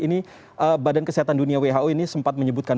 ini badan kesehatan dunia who ini sempat menyebutkan